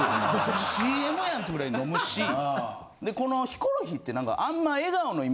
ＣＭやん！ってぐらい飲むしこのヒコロヒーってなんか。